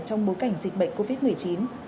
trong bối cảnh dịch bệnh covid một mươi chín